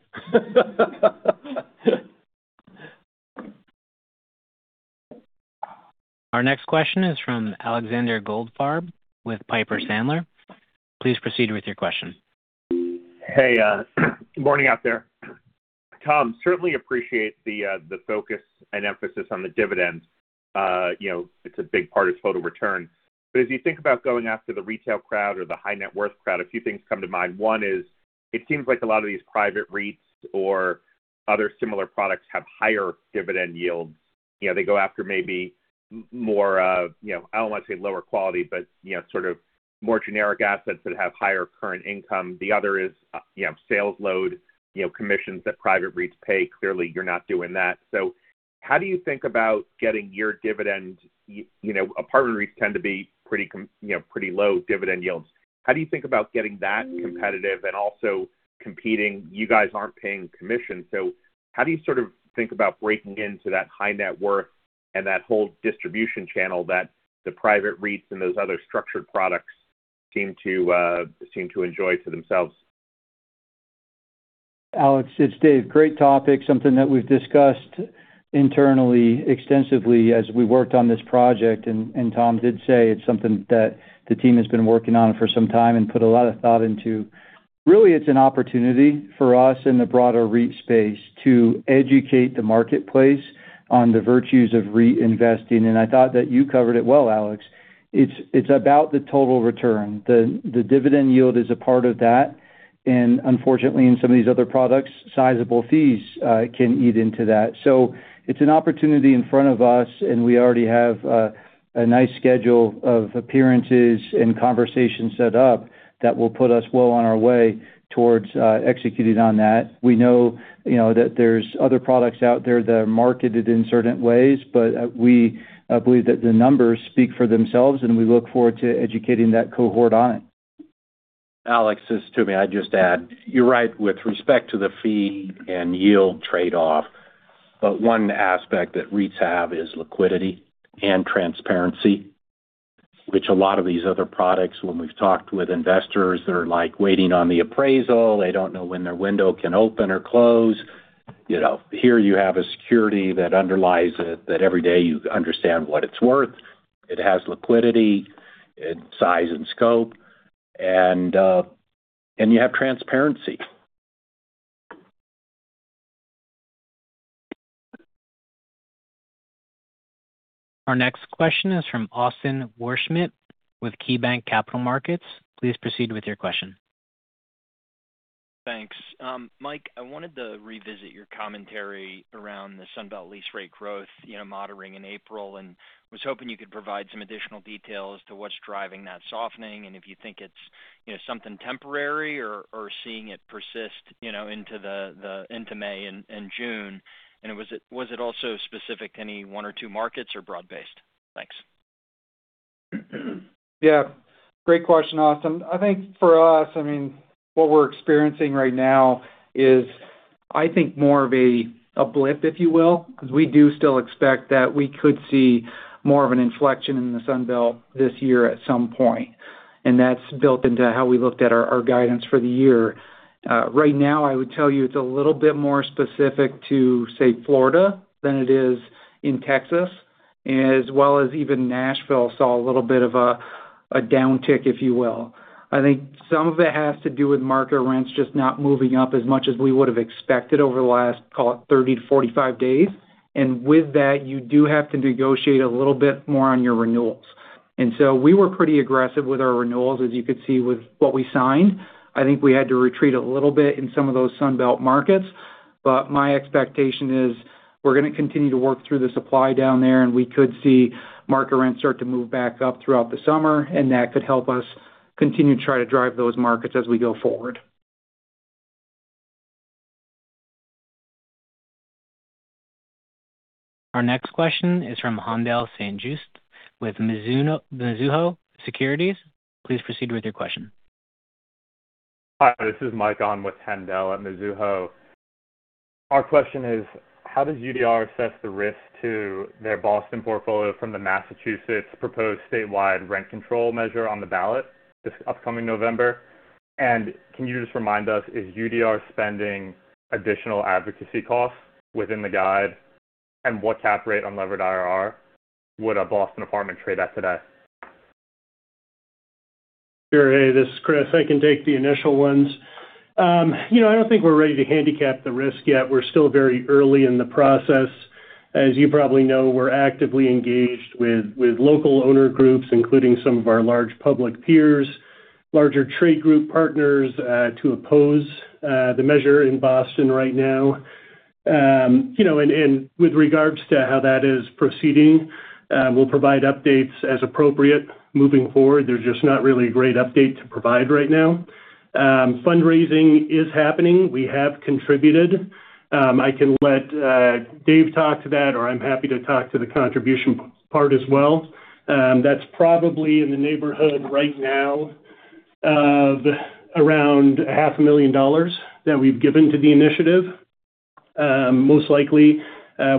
Our next question is from Alexander Goldfarb with Piper Sandler. Please proceed with your question. Good morning out there. Thomas, certainly appreciate the focus and emphasis on the dividends. You know, it's a big part of total return. As you think about going after the retail crowd or the high net worth crowd, a few things come to mind. One is it seems like a lot of these private REITs or other similar products have higher dividend yields. You know, they go after maybe more, you know, I don't wanna say lower quality, but you know, sort of more generic assets that have higher current income. The other is, you know, sales load, you know, commissions that private REITs pay. Clearly, you're not doing that. How do you think about getting your dividend. You know, apartment REITs tend to be pretty low dividend yields. How do you think about getting that competitive and also competing? You guys aren't paying commission, how do you sort of think about breaking into that high net worth and that whole distribution channel that the private REITs and those other structured products seem to seem to enjoy to themselves? Alex, it's Dave. Great topic. Something that we've discussed internally extensively as we worked on this project. Thomas did say it's something that the team has been working on for some time and put a lot of thought into. Really, it's an opportunity for us in the broader REIT space to educate the marketplace on the virtues of reinvesting. I thought that you covered it well, Alex. It's about the total return. The dividend yield is a part of that. Unfortunately, in some of these other products, sizable fees can eat into that. It's an opportunity in front of us. We already have a nice schedule of appearances and conversations set up that will put us well on our way towards executing on that. We know, you know, that there's other products out there that are marketed in certain ways. We believe that the numbers speak for themselves. We look forward to educating that cohort on it. Alex, this is Thomas I'd just add, you're right with respect to the fee and yield trade-off. One aspect that REITs have is liquidity and transparency, which a lot of these other products when we've talked with investors, they're like waiting on the appraisal. They don't know when their window can open or close. You know, here you have a security that underlies it, that every day you understand what it's worth. It has liquidity. Size and scope and you have transparency. Our next question is from Austin Wurschmidt with KeyBanc Capital Markets. Please proceed with your question. Thanks. Mike, I wanted to revisit your commentary around the Sunbelt lease rate growth, you know, moderating in April, and was hoping you could provide some additional detail as to what's driving that softening and if you think it's, you know, something temporary or seeing it persist, you know, into May and June? Was it also specific to any 1 or 2 markets or broad-based? Thanks. Yeah. Great question, Austin. I think for us, I mean, what we're experiencing right now is I think more of a blip, if you will, 'cause we do still expect that we could see more of an inflection in the Sunbelt this year at some point, and that's built into how we looked at our guidance for the year. Right now I would tell you it's a little bit more specific to, say, Florida than it is in Texas, as well as even Nashville saw a little bit of a downtick, if you will. I think some of it has to do with market rents just not moving up as much as we would've expected over the last, call it 30-45 days. With that, you do have to negotiate a little bit more on your renewals. We were pretty aggressive with our renewals, as you could see with what we signed. I think we had to retreat a little bit in some of those Sunbelt markets. My expectation is we're gonna continue to work through the supply down there, and we could see market rents start to move back up throughout the summer, and that could help us continue to try to drive those markets as we go forward. Our next question is from Haendel St. Juste with Mizuho Securities. Please proceed with your question. Hi, this is Mike on with Haendel at Mizuho. Our question is, how does UDR assess the risk to their Boston portfolio from the Massachusetts proposed statewide rent control measure on the ballot this upcoming November? Can you just remind us, is UDR spending additional advocacy costs within the guide? What cap rate on levered IRR would a Boston apartment trade at today? Sure. Hey, this is Christopher. I can take the initial ones. You know, I don't think we're ready to handicap the risk yet. We're still very early in the process. As you probably know, we're actively engaged with local owner groups, including some of our large public peers, larger trade group partners, to oppose the measure in Boston right now. You know, with regards to how that is proceeding, we'll provide updates as appropriate moving forward. There's just not really a great update to provide right now. Fundraising is happening. We have contributed. I can let Dave talk to that, or I'm happy to talk to the contribution part as well. That's probably in the neighborhood right now of around a half a million dollars that we've given to the initiative. Most likely,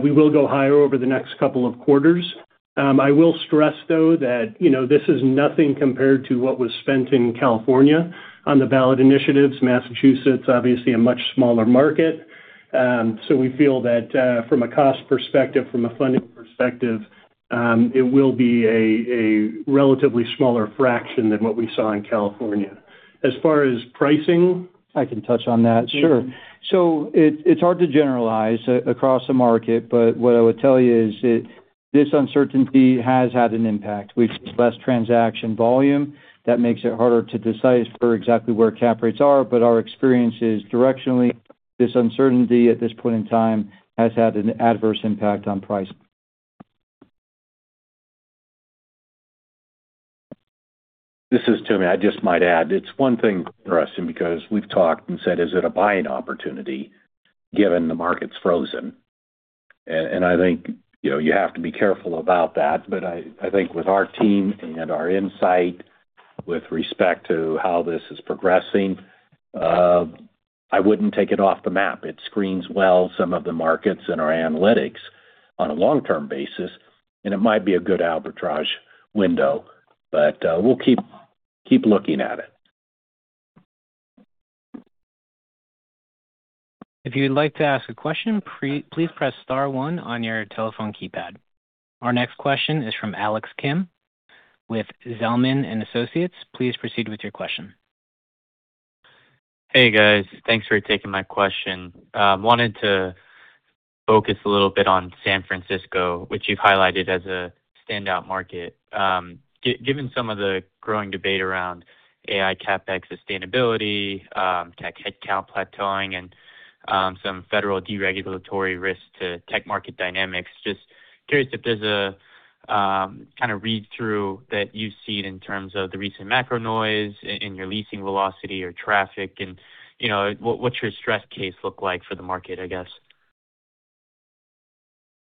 we will go higher over the next couple of quarters. I will stress though that, you know, this is nothing compared to what was spent in California on the ballot initiatives. Massachusetts, obviously a much smaller market. We feel that, from a cost perspective, from a funding perspective, it will be a relatively smaller fraction than what we saw in California. As far as pricing- I can touch on that. Sure. It's hard to generalize across the market, what I would tell you is this uncertainty has had an impact. We've seen less transaction volume. That makes it harder to decipher exactly where cap rates are. Our experience is directionally, this uncertainty at this point in time has had an adverse impact on pricing. This is Thomas. I just might add, it's one thing for us because we've talked and said, "Is it a buying opportunity given the market's frozen?" I think, you know, you have to be careful about that. I think with our team and our insight with respect to how this is progressing, I wouldn't take it off the map. It screens well some of the markets in our analytics on a long-term basis. It might be a good arbitrage window. We'll keep looking at it. If you would like to ask a question, please press star one on your telephone keypad. Our next question is from Alex Kim with Zelman & Associates. Please proceed with your question. Hey, guys. Thanks for taking my question. Wanted to focus a little bit on San Francisco, which you've highlighted as a standout market. Given some of the growing debate around AI CapEx sustainability, tech headcount plateauing, and some federal deregulatory risks to tech market dynamics, just curious if there's a kind of read-through that you've seen in terms of the recent macro noise in your leasing velocity or traffic and, you know, what's your stress case look like for the market, I guess?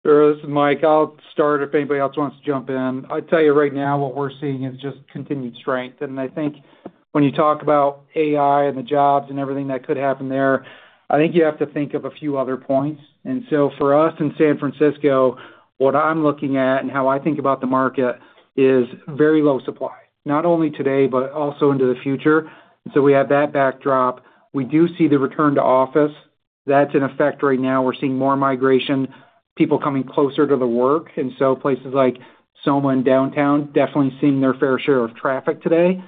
Sure. This is Mike. I'll start if anybody else wants to jump in. I'd tell you right now, what we're seeing is just continued strength. I think when you talk about AI and the jobs and everything that could happen there, I think you have to think of a few other points. For us in San Francisco, what I'm looking at and how I think about the market is very low supply, not only today, but also into the future. We have that backdrop. We do see the return to office. That's in effect right now. We're seeing more migration, people coming closer to the work. Places like Soma and Downtown, definitely seeing their fair share of traffic today.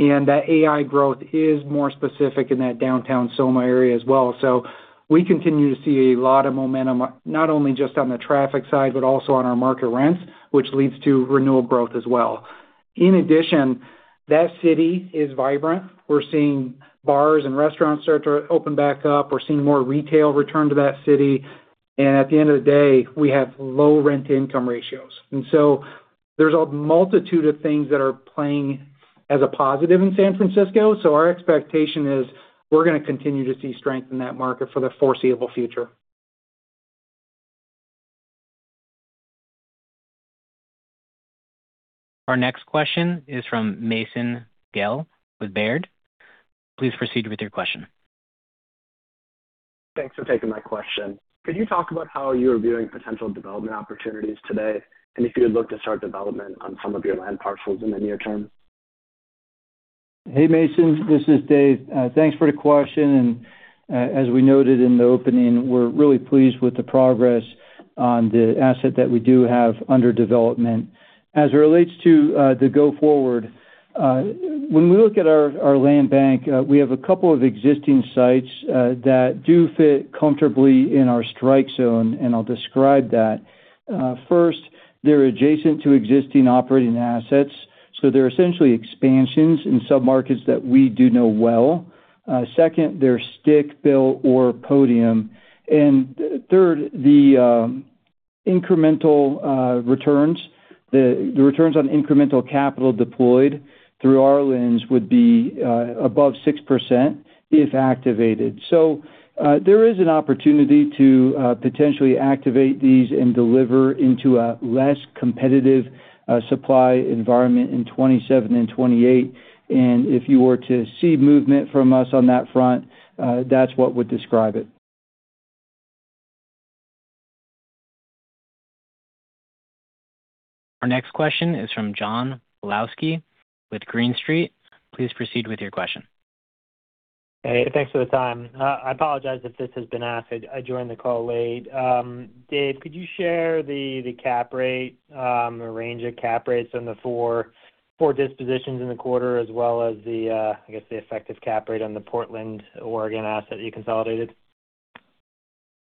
That AI growth is more specific in that Downtown, Soma area as well. We continue to see a lot of momentum, not only just on the traffic side, but also on our market rents, which leads to renewal growth as well. In addition, that city is vibrant. We're seeing bars and restaurants start to open back up. We're seeing more retail return to that city. At the end of the day, we have low rent-to-income ratios. There's a multitude of things that are playing as a positive in San Francisco. Our expectation is we're gonna continue to see strength in that market for the foreseeable future. Our next question is from Mason Guell with Baird. Please proceed with your question. Thanks for taking my question. Could you talk about how you're viewing potential development opportunities today, and if you would look to start development on some of your land parcels in the near term? Hey, Mason. This is Dave. Thanks for the question. As we noted in the opening, we're really pleased with the progress on the asset that we do have under development. As it relates to the go forward, when we look at our land bank, we have a couple of existing sites that do fit comfortably in our strike zone, and I'll describe that. First, they're adjacent to existing operating assets, so they're essentially expansions in submarkets that we do know well. Second, they're stick-built or podium. Third, the incremental returns, the returns on incremental capital deployed through our lens would be above 6% if activated. There is an opportunity to potentially activate these and deliver into a less competitive supply environment in 2027 and 2028. If you were to see movement from us on that front, that's what would describe it. Our next question is from John Pawlowski with Green Street. Please proceed with your question. Hey, thanks for the time. I apologize if this has been asked. I joined the call late. Dave, could you share the cap rate, or range of cap rates on the 4 dispositions in the quarter as well as the, I guess, the effective cap rate on the Portland, Oregon asset you consolidated?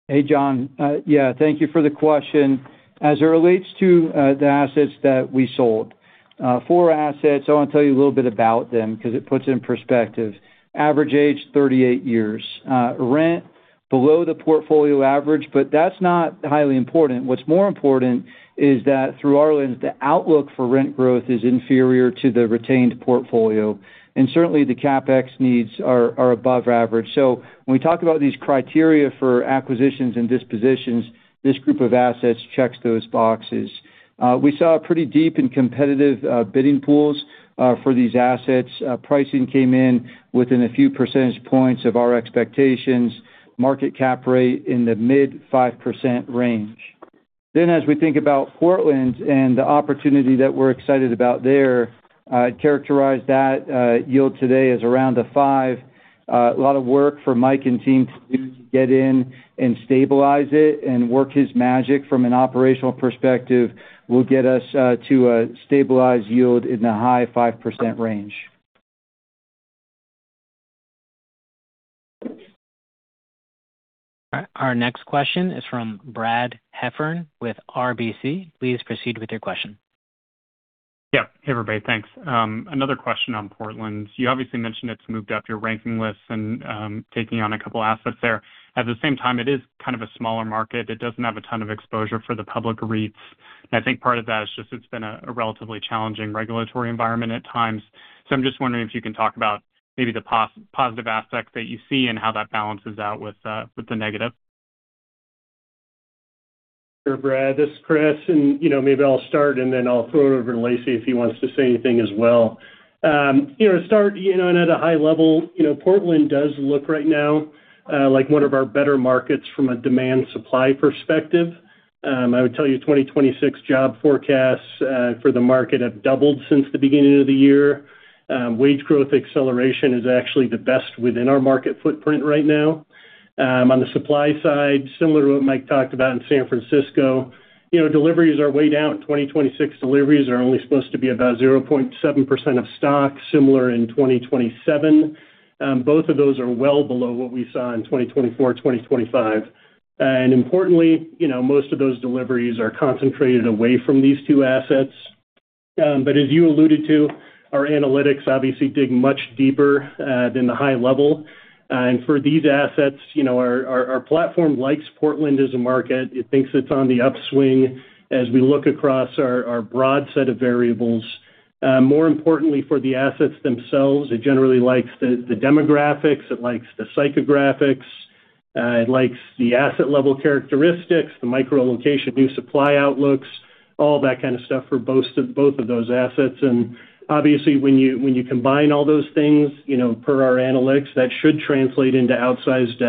Hey, John. Yeah, thank you for the question. As it relates to the assets that we sold. 4 assets, I want to tell you a little bit about them because it puts it in perspective. Average age, 38 years. Rent, below the portfolio average, that's not highly important. What's more important is that through our lens, the outlook for rent growth is inferior to the retained portfolio, certainly the CapEx needs are above average. When we talk about these criteria for acquisitions and dispositions, this group of assets checks those boxes. We saw pretty deep and competitive bidding pools for these assets. Pricing came in within a few percentage points of our expectations. Market cap rate in the mid 5% range. As we think about Portland and the opportunity that we're excited about there, I'd characterize that yield today as around 5%. A lot of work for Mike and team to do to get in and stabilize it and work his magic from an operational perspective will get us to a stabilized yield in the high 5% range. All right. Our next question is from Brad Heffern with RBC. Please proceed with your question. Yeah. Hey, everybody. Thanks. Another question on Portland. You obviously mentioned it's moved up your ranking list and taking on 2 assets there. At the same time, it is kind of a smaller market. It doesn't have a ton of exposure for the public REITs. I think part of that is just it's been a relatively challenging regulatory environment at times. I'm just wondering if you can talk about maybe the positive aspects that you see and how that balances out with the negative. Sure, Brad. This is Christopher. You know, maybe I'll start, and then I'll throw it over to Lacy if he wants to say anything as well. You know, to start, you know, and at a high level, you know, Portland does look right now like one of our better markets from a demand/supply perspective. I would tell you 2026 job forecasts for the market have doubled since the beginning of the year. Wage growth acceleration is actually the best within our market footprint right now. On the supply side, similar to what Mike talked about in San Francisco, you know, deliveries are way down. 2026 deliveries are only supposed to be about 0.7% of stock, similar in 2027. Both of those are well below what we saw in 2024, 2025. Importantly, you know, most of those deliveries are concentrated away from these two assets. As you alluded to, our analytics obviously dig much deeper than the high level. And for these assets, you know, our platform likes Portland as a market. It thinks it's on the upswing as we look across our broad set of variables. More importantly for the assets themselves, it generally likes the demographics, it likes the psychographics, it likes the asset level characteristics, the micro location, new supply outlooks, all that kind of stuff for both of those assets. Obviously, when you, when you combine all those things, you know, per our analytics, that should translate into outsized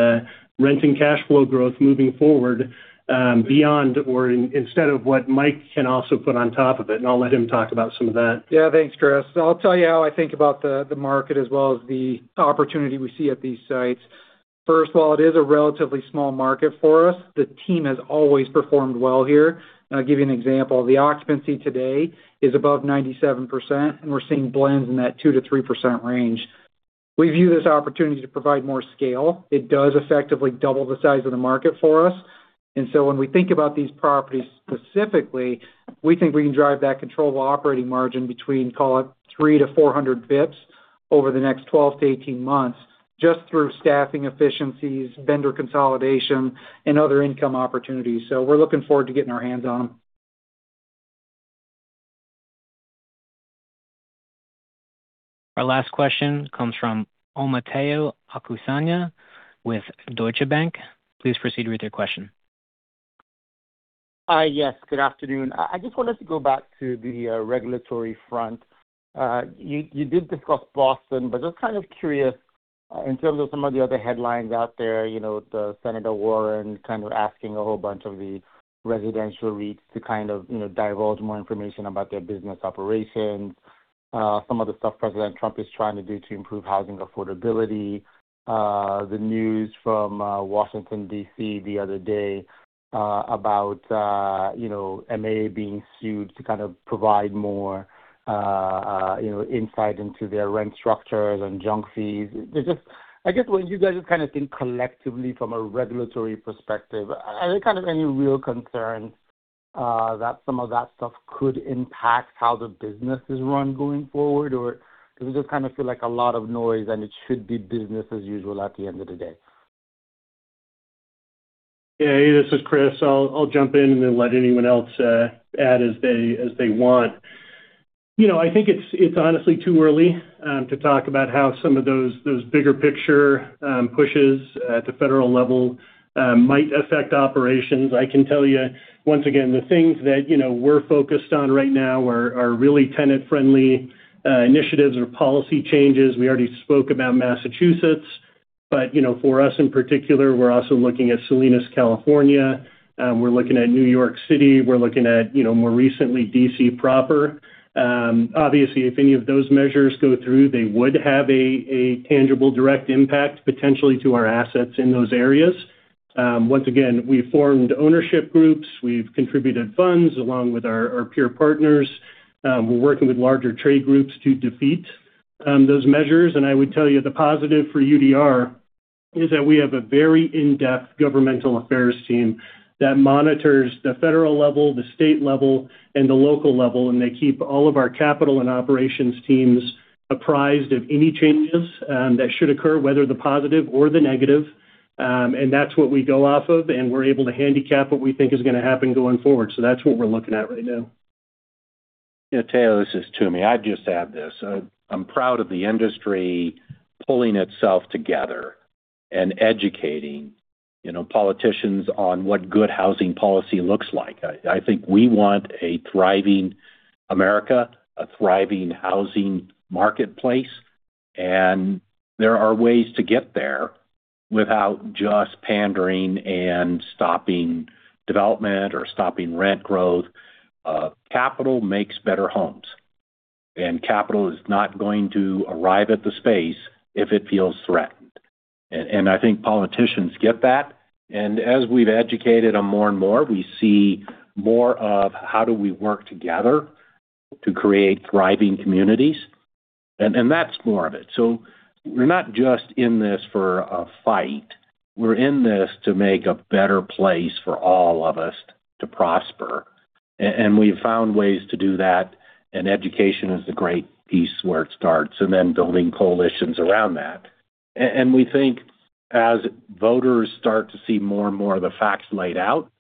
rent and cash flow growth moving forward, beyond or instead of what Mike can also put on top of it, and I'll let him talk about some of that. Thanks, Christopher. I'll tell you how I think about the market as well as the opportunity we see at these sites. First of all, it is a relatively small market for us. The team has always performed well here. I'll give you an example. The occupancy today is above 97%, and we're seeing blends in that 2%-3% range. We view this opportunity to provide more scale. It does effectively double the size of the market for us. When we think about these properties specifically, we think we can drive that controllable operating margin between, call it, 300-400 BPS over the next 12-18 months, just through staffing efficiencies, vendor consolidation, and other income opportunities. We're looking forward to getting our hands on them. Our last question comes from Omotayo Okusanya with Deutsche Bank. Please proceed with your question. Yes, good afternoon. I just wanted to go back to the regulatory front. You did discuss Boston, just kind of curious in terms of some of the other headlines out there, you know, the Senator Warren kind of asking a whole bunch of the residential REITs to kind of, you know, divulge more information about their business operations. Some of the stuff President Trump is trying to do to improve housing affordability. The news from Washington, D.C. the other day, about, you know, MAA being sued to kind of provide more, you know, insight into their rent structures and junk fees. I guess when you guys just kinda think collectively from a regulatory perspective, are there kind of any real concerns that some of that stuff could impact how the business is run going forward? Does it just kind of feel like a lot of noise, and it should be business as usual at the end of the day? Yeah. This is Christopher. I'll jump in and then let anyone else add as they want. You know, I think it's honestly too early to talk about how some of those bigger picture pushes at the federal level might affect operations. I can tell you, once again, the things that, you know, we're focused on right now are really tenant-friendly initiatives or policy changes. We already spoke about Massachusetts, you know, for us in particular, we're also looking at Salinas, California. We're looking at New York City. We're looking at, you know, more recently, D.C. proper. Obviously, if any of those measures go through, they would have a tangible direct impact potentially to our assets in those areas. Once again, we formed ownership groups. We've contributed funds along with our peer partners. We're working with larger trade groups to defeat those measures. I would tell you the positive for UDR is that we have a very in-depth governmental affairs team that monitors the federal level, the state level, and the local level, and they keep all of our capital and operations teams apprised of any changes that should occur, whether the positive or the negative. That's what we go off of, and we're able to handicap what we think is gonna happen going forward. That's what we're looking at right now. Yeah, Taylor, this is Toomey. I'd just add this. I'm proud of the industry pulling itself together and educating, you know, politicians on what good housing policy looks like. I think we want a thriving America, a thriving housing marketplace, and there are ways to get there without just pandering and stopping development or stopping rent growth. Capital makes better homes, and capital is not going to arrive at the space if it feels threatened. I think politicians get that, and as we've educated them more and more, we see more of how do we work together to create thriving communities. That's more of it. We're not just in this for a fight. We're in this to make a better place for all of us to prosper. We've found ways to do that, and education is the great piece where it starts, and then building coalitions around that. We think as voters start to see more and more of the facts laid out,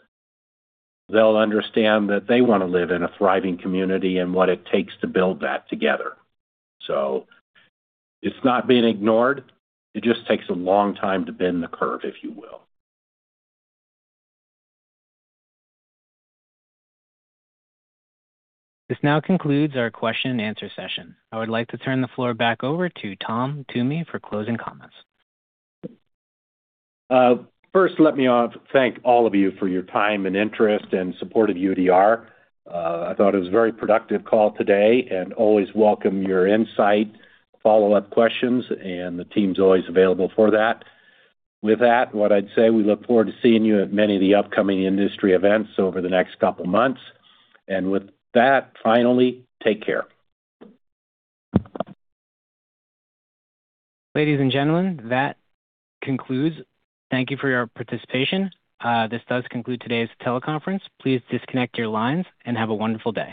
they'll understand that they want to live in a thriving community and what it takes to build that together. It's not being ignored. It just takes a long time to bend the curve, if you will. This now concludes our question and answer session. I would like to turn the floor back over to Thomas Toomey for closing comments. First, let me thank all of you for your time and interest and support of UDR. I thought it was a very productive call today and always welcome your insight, follow-up questions, and the team's always available for that. With that, what I'd say, we look forward to seeing you at many of the upcoming industry events over the next couple of months. With that, finally, take care. Ladies and gentlemen, that concludes. Thank you for your participation. This does conclude today's teleconference. Please disconnect your lines. Have a wonderful day.